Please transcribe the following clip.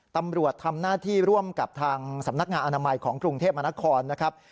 ตำรวจทำหน้าที่ร่วมกับทางสำนักงานอนามัยของกรุงเทพมนครนะครับ